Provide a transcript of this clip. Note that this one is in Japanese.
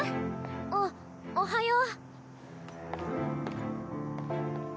あおはよう。